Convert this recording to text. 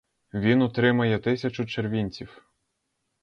Він отримає тисячу червінців.